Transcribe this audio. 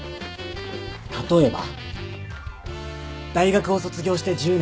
例えば大学を卒業して１０年。